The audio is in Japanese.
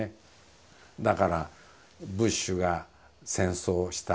だからブッシュが戦争をした。